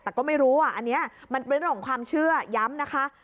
แต่ก็ไม่รู้อ่ะอันนี้มันเป็นเรื่องของความเชื่อย้ำนะคะ